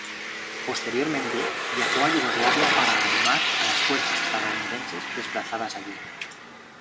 Posteriormente viajó a Yugoslavia para animar a las fuerzas estadounidenses desplazadas allí.